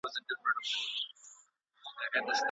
د لاس لیکنه د روښانه سباوون زیری دی.